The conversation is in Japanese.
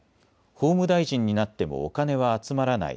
法務大臣になってもお金は集まらない。